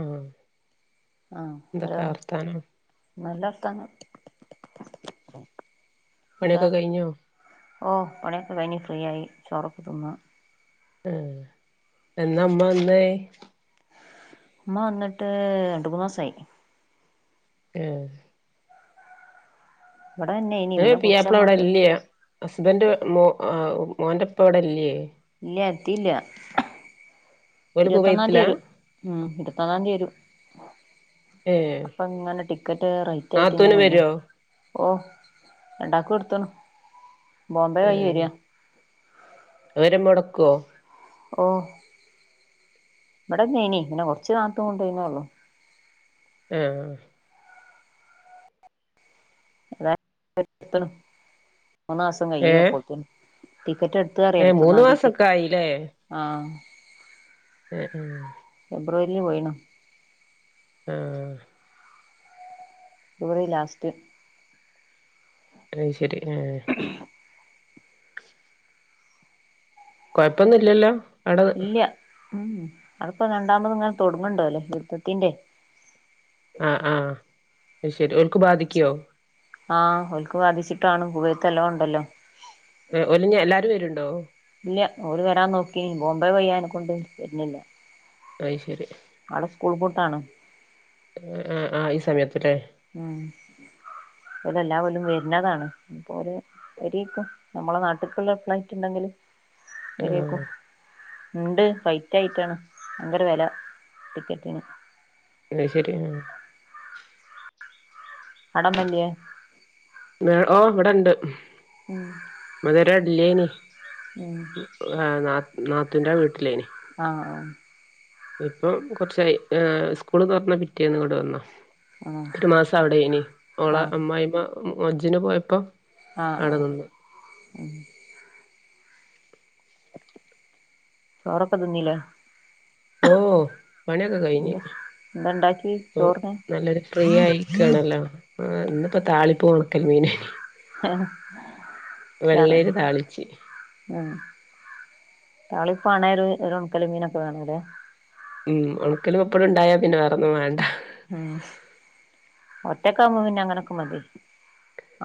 ആഹ് ആഹ് എന്തൊക്കെ ഹലോ വർത്താനം നല്ല അർഥനാ എന്താ പണിയൊക്കെ കഴിഞ്ഞോ ഓ പണൊക്കെ കഴിഞ്ഞ് ഫ്രീയയി ചോറൊക്ക തിന്ന് ആ എന്നാമ്മന്നേ ഉമ്മ വന്നിട്ട് രണ്ടു മൂന്നു ദിസായി ആ ഇവിടെ തന്നെനി പിന്നെ പിയപ്പള കുറച്ചങ്ങോട്ട് എവിടെയില്ല ഹസ്ബന്റ് മോന്റെപ്പ എവിടെ ഇല്ലയേ ഇല്ലത്തിയില്ല ഓല് ഇരുപത്തൊന്നാം തിയതി കുവൈത്തിലാ വരും ഉം ഇരുപത്തൊന്നാം തീയതി വരും ഏഹ് അപ്പൊ ഇങ്ങനെ ടിക്കറ്റ് റേറ്റ് ആയിട്ട് ഇങ്ങനെ നാത്തൂന് തന്നെ വരോ ഓ രണ്ടാക്കും എടുത്തന്നു ബോംബെ വഴി ഏഹ് വരിയാ അവരെ മുടക്കുവോ ഓ ഇവിടെ നേനി പിന്നെ കൊറച്ചുനാത്തു കൊണ്ടനേള്ളു ആഹ് പുത്ത ഒ സംങ്ങായി ഏഹ് പുൊത്തന ടിക്കറ്റ് എടുത്തറിയ ഏഹ് മൂന്ന് എടുത്തൊന്നാം തീയക്ക് മാസൊക്കെ ആഹ ഉം ഉം ഫബ്രുവരിൽ പോയിണ ആഹ ഫെബുവരി ലാസ്റ്റ് അ ശരി ആ കൊഴപ്പൊന്നും ഇല്ലല്ലോ അവിടത് ഇല്ല ഉം അതപ്പോൊ രണ്ടാമത് ഇങ്ങനെ തൊടങ്ങണ്ട അല്ലേ യുദ്ധത്തിൻ്റെ ആഹ് ആഹ് അത് ശരി ഒക്ക് ബാധിക്കോ ആഹ് ഒക്ക് ബാധിച്ചിട്ടാണ് കുവേത്തെല ഉണ്ടല്ലോ ഒലിഞ്ഞ എല്ലാരും വേരുണ്ടോ ഇല്ല ഓര് വരാൻ നോക്കി ബോംബെ വയ്യാനെ കൊണ്ട് വരുന്നില്ല അഹ് ശെരി നാളെ സ്കൂൾ പൂട്ടാണൊ ആഹ് ആഹ് ഈ സമയത്ത്ല്ലേ ആഹ് എല് എല്ലാ കൊല്ലൊം വര്ന്നതാണ് ഇഞ്ഞ്പ്പോല് വെരേക്കും നമ്മളെ നാട്ട്ക്ക്ള്ള ഫ്ലൈറ്റ് ഇണ്ടെങ്കില് ആഹ് വരേക്കും ഇണ്ട് ഫൈറ്റ് ആയിട്ടാണ് ഭയങ്കര വെല ടിക്കറ്റിന് അഹ് ശെരി ആഹ് അടമല്ല്യെ ആഹ് ഓ ഇവടെണ്ട് ഉം ഇല്ലേനി ഉം നാത്തൂന്റെ വീട്ട്ലേനി ആ ആ ഇപ്പം കൊർച്ചായി എ സ്കൂള് തൊറന്ന പിറ്റേന്ന് ഇങ്ങട്ട് വന്നു ആഹ് ആഹ് ഒരു മാസം അവടെനി ഓളെ അമ്മായിമ്മ ഹജ്ജ്ന് പോയപ്പോ ആ ആ അവിടെ നിന്ന് ഉം ചോറൊക്കെ തിന്നീലെ ഓ പണിയൊക്കെ കയ്ഞ് എന്താണ്ടാക്കി പ്പൊ ചോറിന് നല്ലൊര് ഫ്രീയായിക്കാണല്ലോ അ ഇന്നിപ്പോ താളിപ്പും ഒണക്കൽ മീന ആഹ വെള്ളരി താളിച്ച് താളിപ്പാണേല് ഒരു ഒണക്കല് മീനൊക്കെ വേണം ലെ ഉം ഒണക്കലും പപ്പടം ണ്ടായാ പിന്നെ വേറെന്നും വേണ്ട ഉം ഒറ്റക്കാവുമ്പോ പിന്നെ അങ്ങനൊക്കെ മതി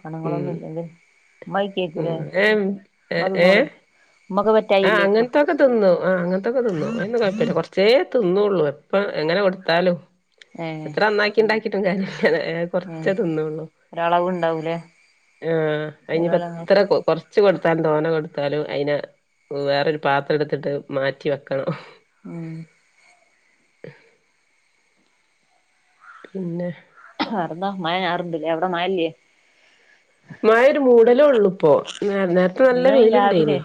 ആണുങ്ങളൊന്നും ഉം ഇല്ലെങ്കിൽ മ്മ കയ്ക്കൂലേ ഉം മ്മ തിന്നോള് ആ അങ്ങൻത്തൊക്കെ തിന്നും ആ അങ്ങൻത്തൊക്കെ തിന്നും ണ്ട് കൊയപ്പല്ല കൊർച്ചേ തിന്നൊള്ളു എപ്പ എങ്ങനെ കൊട്ത്താലും ഏഹ് എത്ര നന്നാക്കിണ്ടാക്ക [unintelligible] കൊർച്ചെ ഏഹ് തിന്നൊള്ളൂ ഒരളവ് ഉണ്ടാവൂലേ ആ ചെലോലങ്ങനെ അയിഞ്ഞിപ്പെത്ര കൊ കൊർ ച്ച് കൊടുത്താലും തോന കൊടുത്താലും അയ്നെ വേറൊരു പാത്രംട്ത്ത്ട്ട് മാറ്റി വെക്കണം ആഹ് പിന്നെ വേറെന്താ മയ ചാർണ്ട്ല്ലേ അവടെ മയല്ലേ മയൊരു മൂടലൊള്ളു പ്പോ ഇന്ന് രാവിലെ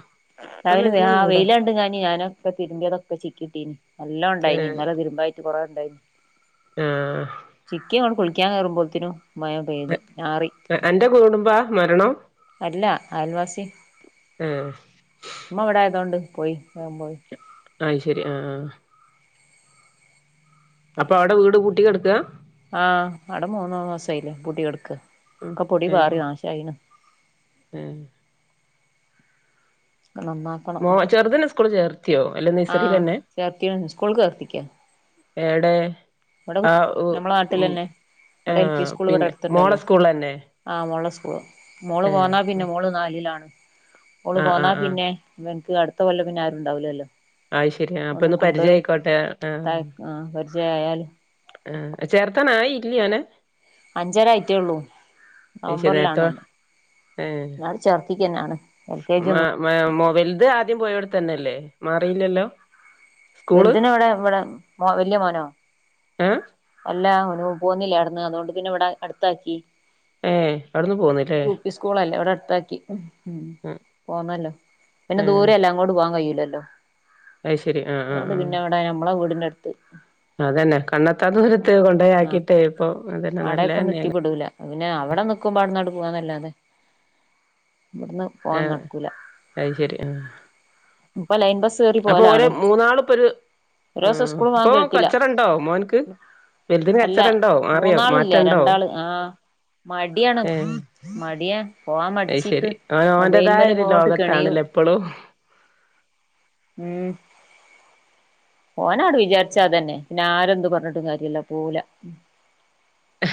ഇപ്പൊ നല്ല രാവിലെആ മൂടാ വെയിലാണ്ട് ഞാന് ഞാനൊക്കെ തിര്മ്പി അതൊക്കെ ചിക്കിട്ടി നി നല്ലോ ണ്ടായ്നീ ഇന്നലെ തിരുമ്പായിട്ട് കൊറേ ഇണ്ടായിന് ഏഹ് ചിക്കി ഞാൻ കുളിക്കാൻ കേറുമ്പോത്തിനും മഴ പെയ്ത് ഞാറി. അന്റെ കുടുംബാ മരണം. അല്ല അയൽവാസി ആഹ് ഉമ്മ ഇവ്‌ടായതോണ്ട് പോയി വേം പോയി. അയ് ശരി ആഹ് ആഹ് അപ്പൊ അവ്ടെ വീട് പൂട്ടി കെടക്ക. ആഹ് അവ്ടെ മൂന്നാം മാസായില്ലേ പൂട്ടികെടക്ക ഉം ക്കെ പൊടി പാറി ഏഹ് നാശായിണ്. ഏഹ് ഒക്കെ നന്നാക്കണം മോ ചെർതിനെ സ്കൂളി ചേർ ആഹ് ചേർത്തീണ്. സ്കൂൾക്ക് ചേർത്തിക്ക ഏടെ ഇവടെ ഉ നമ്മളെ ഉം നാട്ടിലന്നെ ഇവിടെ എൽ പി ആഹ് സ്കൂള് ഇവിടെ പിന്നെ മോളെ അടുത്ത്ണ്ടല്ലോ സ്കൂളിലെന്നെ ആഹ് മോള സ് മോള് ഏഹ് പോന്നാ പിന്നെ ഉം മോള് നാലിലാണ്. ഓള് ആഹ് പോന്നാ ആഹ് ആഹ് പിന്നെ വ ക്ക് അടുത്ത കൊല്ലം പിന്ന ആരുണ്ടാവില്ലല്ലോ. ആത് ശരിയാ അപ്പൊ ഒന്ന് പരിചയായിക്കോട്ടെ ആഹ്. ത പരിചയായാല് ആഹ് ചേർത്താൻ ആയില്യോനെ. അഞ്ചര ആയിറ്റേള്ളൂ അയ് ശരി നവംബറിലാണ് നേരത്തെ ഞാൻ ചേർത്തി ദന്യാണ്. മാ മാ മോവേൽത് ആദ്യം പോയോടത്ത് തന്നെ അല്ലേ മാറീല്ലല്ലോ വെൽതിനിവിടെ ഇവിടെ മോ വല്യ മോനോ ഏഹ് അല്ല ഓന് പോകുന്നില്ലാര്ന്ന് അതുകൊണ്ട് പിന്നെ ഇവിടെ അടുത്താക്കി. ഏഹ് അടു യു പി സ്കൂളല്ലേ ഇവിടെ അടുത്താക്കി ഉം ഉം പോവല്ലേ പിന്നെ ഏഹ് ദൂരെ അല്ലേ അങ്ങോട്ട് പോകാൻ കഴിയുല്ല അയ് ശരി ആഹ് ആഹ് അതുകൊണ്ട് ആഹ് പിന്നെ എവിടെ നമ്മളെ വീടിന്റെ അടുത്ത് അതന്നെ കണ്ണെത്താ ദൂരത്ത് കൊണ്ടോയി ആഹ് ആക്കിട്ടേ ഇപ്പൊ അതന്നെ അടെക്കൊന്ന് നല്ലതന്നെയാണ് എത്തിപെടുല പിന്നെ അവിടെ നിക്കുമ്പോട്ന്നടു പോവാനല്ലാതെ ഇവ്ട്ന്ന് പോവാൻ ആഹ് നടക്കുല. അത് ശരി ആഹ് ഇപ്പൊ ലൈൻ ബസ് കേറി അപ്പൊ ഓല് പോകലാണ് മൂന്നാളിപ്പൊരു ഒരു ദിവസം ആഹ് സ്കുള് വാ ഇപ്പൊ കേട്ടില്ല. കച്ചറണ്ടോ മോൻക്ക് വലുതിന് അല്ല കച്ചറണ്ടോ മാറിയോ മൂന്നാള് ഇല്ല മാറ്റണ്ടോ രണ്ടാള് ആഹ്. മടിയാണ് ഏഹ് മടിയാ പോവാൻ അത് മടിച്ചിട്ട് ശരി ഓൻ മൊബൈൽ ഓന്റേതായ ഒരു മേലങ്ങോട്ട് കെണിയു. ലോകത്താണല്ലേ ഇപ്പളും ഉം പോവാനങ്ങ്ട് വിചാരിച്ച അതന്നെ പിന്നെ ആരെന്ത് പറഞ്ഞിട്ടും കാര്യല്ലാ പോവൂല്ല.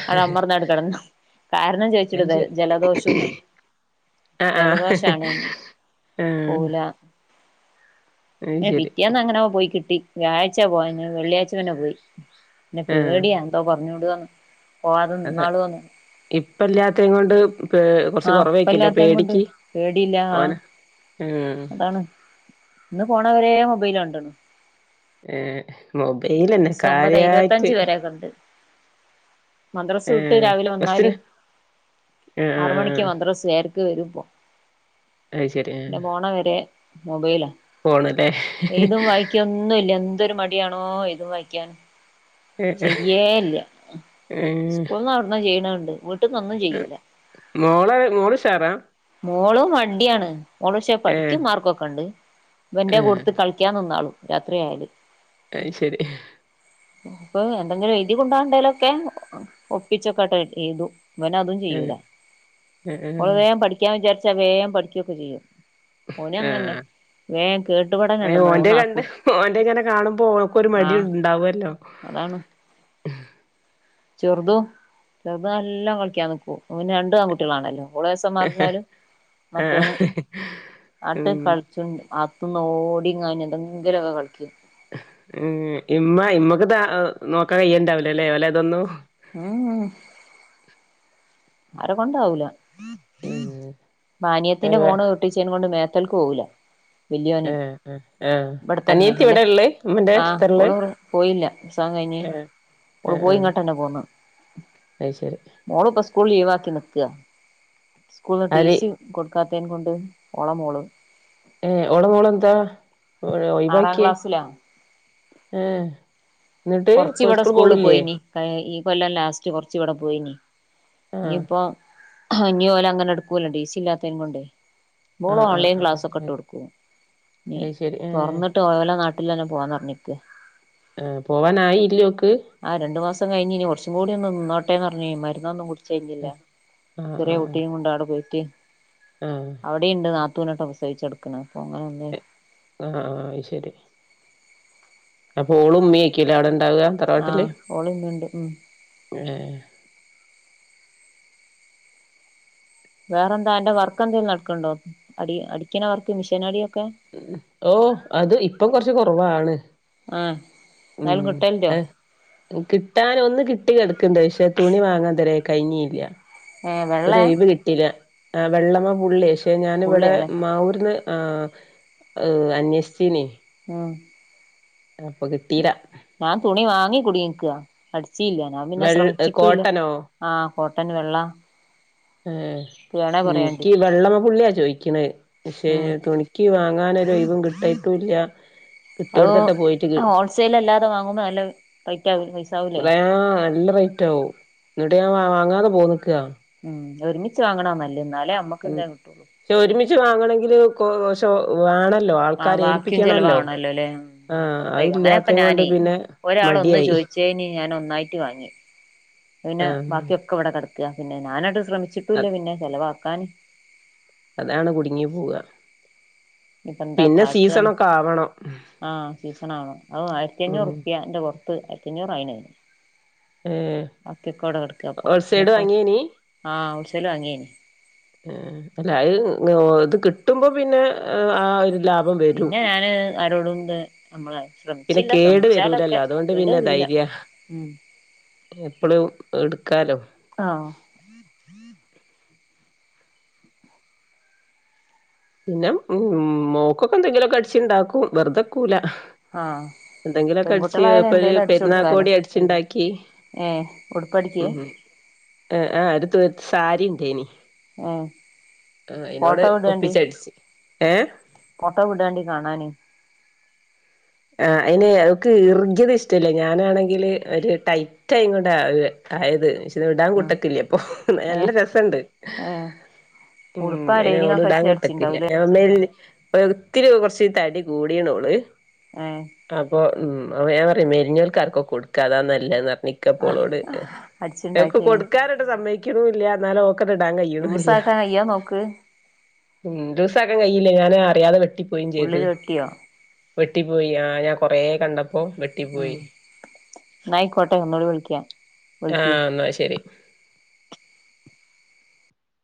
അവിടെ അമർന്നങ്ങട്ട് കെടന്ന് കാരണം ചോയിച്ചിട് അത് ദ ശരി ജലദോഷംന്ന്. ആഹ് ആഹ് ജലദോഷാണ്ന്ന് ആഹ് പോവൂല. അത് ഏഹ് ശരി പിറ്റേന്ന് എങ്ങനെയോ പോയി കിട്ടി വ്യാഴ്ച്ചേ പോവാഞ്ഞെ വെള്ളിയാഴ്ച്ച പിന്നെ പോയി. പിന്നെ ആഹ് പേടിയാ എന്തോന്ന് പറഞ്ഞോണ്ട് വന്നു അതെ ഇപ്പല്യാതേം കൊണ്ട് പെ എഹ് കുറച്ച് ആഹ് കുറവെയ്ക്കും അല്ലെ ഇപ്പല്ലാത്തത് കൊണ്ട് പേടിക്ക് പേടിയില്ല ഓൻ ആഹ് അതാണ് ഇന്ന് പോണവരെ മൊബൈല് കണ്ടണു. ഏഹ് മൊബൈലന്നെ ഒമ്പത് ഇരുപത്തഞ്ച് കാര്യായിട്ട് മദ്രസ് വിട്ട് ഏഹ് രാവിലെ വന്നാല് ബസ്സിന് ആറു മണിക്ക് ആഹ് മദ്രസ് ഏഹ് ക്ക് വരുംമ്പോ അത് ശരി ആഹ് പിന്നെ പോണ വരെ മൊബൈലാ ഫോണ്ല്ലേ എയ്‌തും വായിക്കേം ഒന്നുല്ല എന്തൊരു മടിയാണോ എയ്‌തും വായിക്കാനും. ചെയ്യേ ഇല്ല അഹ് സ്കൂൾന്നും അവിടന്നും ചെയ്യണേ കണ്ടു വ് ഉം മോള് മോള്ഷാറാ മോളും മടിയാണ് ഓള് പക്ഷേ ഏഹ് പഠിക്കും മാർക്കൊക്കെ ഇണ്ട് ഇവന്റെ ഏഹ് കൂട്ടത്ത് കളിക്കാനൊന്നും ആള് രാത്രി ആകല്. അത് ശരി. ഇപ്പൊ എന്തെങ്കിലും എഴുതി കൊണ്ടണ്ടേലൊക്കെ ഒപ്പിച്ചൊക്കെട്ടോ എയ്തു. ഇവൻ അതും ചെയ്യൂല ഏഹ് ഏഹ് നമ്മള് വേഗം പഠിക്കാൻ വിചാരിച്ച വേഗം പഠിക്കുകയൊക്കെ ചെയ്യും. ഓന് അങ്ങന്നെ. ആഹ് വേം അ കേട്ടുപടനുണ്ട് ഓന്റെ കണ്ട് മൂന്നാക്കും ഓൻന്റെ ഇങ്ങനെ കാണുമ്പോ ഓനക്കൊരു മടി ഉ ആഹ് ഉണ്ടാവല്ലോ അതാണ്. ചെറുത് ചെറുത നല്ലാം കളിക്കാൻ നിക്കൂ ഓന് രണ്ടു ആൺകുട്ടികളാണല്ലോ. മോളെസം മറുന്നാലും ആഹ് മറ്റവന് നട്ട് ഉം കളിച്ചുണ്ട്. തുന്നോടിങ്ങാഞ്ഞ് എന്തൊങ്കിലൊക്കെ കളിക്കും. ഉം ഇമ്മ ഇമ്മക്ക്താ നോക്കാൻ കയ്യണ്ടാവലല്ലേ പോലെ ഇതൊന്നും. ഉം. ആരെ കൊണ്ടാവൂല മാനയത്തിന്റെ ഉം ഫോണ് ഒട്ടിച്ചെൻ കൊണ്ട് മേ മറ്റൽക്ക് പോവൂല. വലിയോന് ആഹ് ആഹ് ആഹ് ഇവിടെത്തന്നെ അനിയത്തി അല്ലെ ഇവിടെ ഉള്ളേ ഉമ്മന്റെ ആ അടുത്തുള്ളേ ഓള് പോയില്ല എക്സാം കഴി ആഹ് ഒരു ആഹ് ആഹ് പോയിങ്ങട്ട പോ അത് ശരി മോള പ സ്കൂൾ വാത്തി നിക്ക് ആര് സ്കൂട്ടീസി കൊ ക്കാത്തേൻ കൊണ്ട് ഒളമോളും ആറാം വാക്ക ക്ലാസ്സിലാ ആ എന്നിട്ട് കൊറച്ച് ഇ ഇവിടെ സ്കൂൾ സ്കൂളിൽ പോകില്ലേ പോയിനി ഈ കൊല്ലം ലാസ്റ്റ് കൊറച്ച് ഇവിടെ പോയിന് ആഹ് ഇനിയിപ്പോ ഞ്ഞ പോല അങ്ങനെ എടുക്കുവല്ലോ ഡേ സ ഇല്ലാത്ത കൊണ്ടേ ഓൾ ആഹ് ആഹ് ഓൺലൈൻ ആഹ് ക്ലാസ്സൊക്കെ ഇട്ട് കൊടുക്കും ഇ അത് ശരി ഏഹ് തുറന്നിട്ട് ല നട്ട വീട്ടില തന്നെ പോവാന്ന് പറഞ്ഞിക്ക് ആഹ് പോവാനായില്ലേ ഓക്ക് ആ രണ്ടു മാസം കഴിഞ്ഞ ഇ കുറച്ചും കൂടി ഒന്ന ഇന്നോട്ടേന്ന് പറഞ്ഞഞ് മരുന്നൊന്നും കുടിച്ച കഴിഞ്ഞില്ല ആഹ് ചെറിയ ആഹ് കുട്ടിയും കൊണ്ട് അവിടെ പോയിട്ട് ആഹ് അവിടെണ്ട് നാത്തുവിനോട്ട് ഉസവിച്ച എടുക്കണ ആ ആ ശരി അപ്പൊ ഓള ഉമ്മിക്കല അട ഉണ്ടാവുക തറവാട്ടല് ആഹ് ഓള് ഇന്നുണ്ട് ഉം ഏ വേറെ എന്താ എന്റെ വർക്ക്ന്തേലും നടക്കണ്ടോ അടി അടിക്കണ വർക്ക് മിഷീനടിയ ഉ ഓ അത് ഇപ്പം കൊറച്ച് കുറവാണ് ആഹ് ഉം എന്തായാലും കിട്ടലുണ്ടോ കിട്ടൻ ഒന്ന് കിട്ടി കിടക്കണ്ട് പക്ഷെ തുണി വാങ്ങാൻ തരാ കഴിഞ്ഞല്ല ഏഹ് വെള്ളയാ ഒരുഴവ് കിട്ട വെള്ള പി പക്ഷേ ഞാനിവിടെ ബുള്ളിയാ അല്ലേ മാവൂർന്ന് അന്വേഷിച്ചീന ആ അപ്പൊ കിട്ടീരാ ഞാൻ തുണി വാങ്ങി കുടിക്കുക അടിച്ചില്ല ഞാൻ പിന്നെ വെള്ള ശ്രമിച്ചിട്ടൂല്ല കോട്ടനോ ആഹ കോട്ടന് വെള്ള ഏ വേണേ പറയാണ്ട് എനിക്ക് വെള്ളമ്മ പുള്ളിയാ ചോദിക്കണ പക്ഷേ ഉം തുണിക്ക് വാങ്ങാൻ വം കിട്ടയിട്ടുംല്ല അത് കിട്ടെടുത്തിട്ട് പോയിട്ട് ഹോൾസെയിൽ അല്ലാതെ വാങ്ങുമ്പോ നല്ല റേറ്റ് ആവു പൈസാവൂലേ പറയാ നല്ല റ്റ ഇിട്ട ഞൻ വാങ്ങാതെ പോ നിക്കുക ഉ ഒരുമിച്ച് വാങ്ങണ നല്ലേ എന്നാലേ അമ്മക്ക്ന്തേ കിട്ടുള്ളു വാങ്ങാനോങ്കില് കോ ഷോ വേണ ആ ബാക്കിയും ചെലവാണല്ലോ അല്ലെ ആഹ് അത് വറദൈവം അങ്ങനെപ്പൊ ഇല്ലാത്ത കൊണ്ട് ഞാനേ പിന്നെ ഒരാള ഒന്ന് മടിയായി ചോയിച്ചന് ഞൻ ഒന്നായിട്ട് വാങ്ങി പിന്നെ ആഹ് ബാക്കിയ ഒക്കെ ഇവിടെ കിടക്കും പിന്നെ ഞാനായിട്ട് ശ്രമിച്ചിട്ടൂല്ല അത് പിന്നെ ചെലവാക്കാാന് അതാണ് കുടുങ്ങി പോവ ഇനിയിപ്പ എന്താ പിന്നെ കാട്ടാന്ന് സീസണൊക്കെ ആവണം ആഹ് സീസണ ആണോ അത് ആയിരത്തി ഉം അഞ്ഞൂറപ്യ എന്റെ പുറത്ത് ആയിരത്തി അഞ്ഞൂറ ആയിനന് ഏഹ് ആക്കിക്കോട കടക്ക അപ്പൊ ഹോൾസൈഡ് പിന്നെപ്പ വാങ്ങിയേനി ആഹ ഉളിച്ചല് വാങ്ങിയന അല്ല അത് ഇത് കിട്ടുമ്പോ പിന്നെ ആ ഒരു ലാഭം വരും പിന്നെ ഞാന് ആരോടുംണ്ട് നമ്മള് പിന്നെ ശ്രമിച്ചില്ല കേട് ശ്രമിച്ചാലൊക്കെ വരൂലല്ലോ അതുകൊണ്ട് പിന്നെ കേടരില ധൈര്യ ഉം എപ്പളും എടുക്കാലോ ആ പിന്നെ ഉ മോക്കൊക്കെ എന്തെങ്കിലുമൊക്കെ അടിച്ചുണ്ടാക്കും വെറുതെക്കൂല ആ എന്തെങ്കിലുമൊക്കെ അടിച്ച് ഇപ്പൊ ഒരു പെരുന്നാാക്കോടി അടിച്ചുണ്ടാക്കി ഏ ഉടുപ്പടിക്കെ ആ ആ അടുത്തത്ത് സാരി ഉണ്ടേ ഇനി ആ ഫട്ടോ വിട ഒപ്പിച്ചടിച്ച് ഏഹ് ഫോട്ടോ വിടാണ്ടി കാണാന് ആ അതിന് അവക്ക് ഈർഗ്യത ഇഷ്ടല്ലേ ഞാനാണെങ്കില് ഒരു ടൈറ്റ ആയിങ്ങോട ആയത് പക്ഷി ടാൻ ആഹ് കുട്ടക്കില്ലേ അപ്പൊ നല്ല ഏഹ് രസുണ്ട് ഏഹ് ഉം ഉടുപ്പാ അയിന് ഓള് ലൈനിങ്ങൊക്കെ ഇടാൻ വെച്ച് കൂട്ടക്ക്‌ണില്ല അടിച്ചിണ്ടാവൂലേ [unintelligible] ഒ ഒത്തിരി കുറച്ച് തടി കൂടിയിണോള് ഏഹ് അപ്പൊ ഉം അപ്പ ഞാൻ പറയ മെരിഞ്ഞൂൽക്കാർക്കൊ കൊടുക്കാ അതാനല്ലേപറിഞ്ഞിക്കപ്പോളോട് എക്ക് അടിച്ചുണ്ടാക്കിയേന് കൊടുക്കാനായിട്ട് സമ്മക്കണല്ല എന്നാലും ഓക്കറി ഇടാൻ കഴിയണല്ല ലൂസാക്കാൻ കയ്യോ നോക്ക് ഉ ദിവസൊക്കെ കയ്യില്ലേ ഞൻ അറിയാതെ വിട്ടു ഉള്ളില് വെട്ടിയോ വെട്ടി പോയി ആ ഞാൻ കൊറ കണ്ടപ്പോ വെട്ടി പോയി എന്നായിക്കോട്ടെ ഒന്നോള വിളിക്കിയ ആ വിളിക്കി എന്നാ ശരി